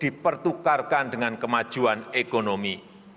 dipertukarkan dengan kemajuan ekonomi